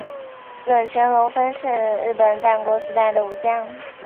冷泉隆丰是日本战国时代的武将。